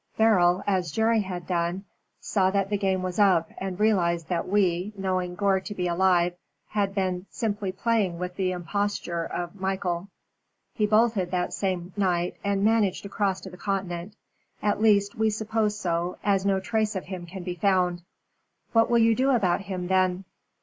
Beryl as Jerry had done saw that the game was up, and realized that we, knowing Gore to be alive, had been simply playing with the imposture of Michael. He bolted that same night and managed to cross to the Continent. At least, we suppose so, as no trace of him can be found." "What will you do about him, then?"